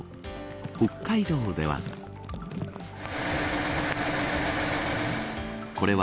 北海道では。